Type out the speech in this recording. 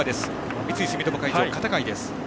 三井住友海上、片貝です。